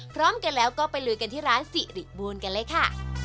พร้อมกันแล้วก็ไปลุยกันที่ร้านสิริบูลกันเลยค่ะ